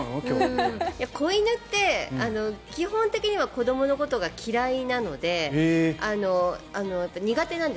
子犬って基本的には子どものことが嫌いなので苦手なので。